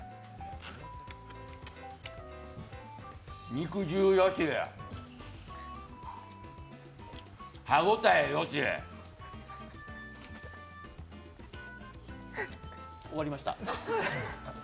肉汁よし歯応えよし終わりました。